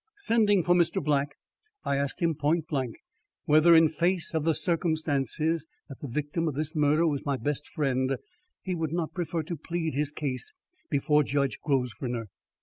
Sending for Mr. Black, I asked him point blank whether in face of the circumstance that the victim of this murder was my best friend, he would not prefer to plead his case before Judge Grosvenor.